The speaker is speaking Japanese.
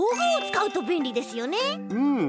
うん！